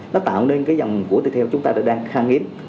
nó tạo nên cái dòng của thịt heo chúng ta đã đang khang hiếm